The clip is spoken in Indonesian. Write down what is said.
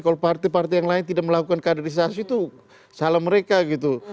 kalau partai partai yang lain tidak melakukan kaderisasi itu salah mereka gitu